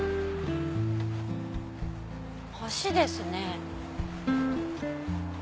橋ですね。